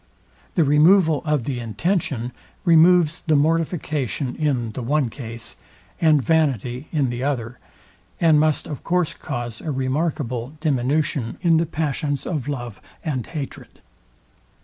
The removal of the intention, removes the mortification in the one case, and vanity in the other, and must of course cause a remarkable diminution in the passions of love and hatred.